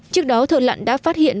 trước đó thợ lặn đã phát hiện